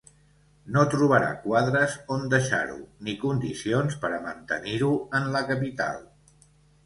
No trobarà quadres on deixar-ho, ni condicions per a mantenir-ho en la capital.